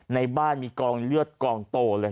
ในบ้านมีกองเลือดกองโตเลย